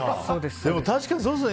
でも、確かにそうですね。